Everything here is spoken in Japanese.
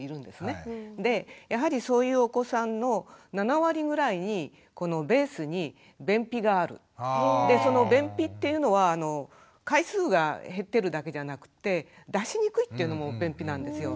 でやはりそういうお子さんのでその便秘っていうのは回数が減ってるだけじゃなくて出しにくいっていうのも便秘なんですよ。